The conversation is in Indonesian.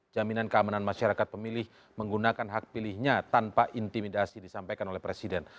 jaminan keamanan masyarakat pemilih menggunakan hak pilihnya tanpa intimidasi disampaikan oleh presiden